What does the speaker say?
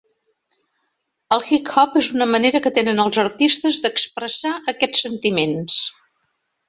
El hip-hop és una manera que tenen els artistes d'expressar aquests sentiments.